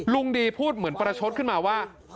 ลุงดีพูดเหมือนประชดขึ้นมาว่า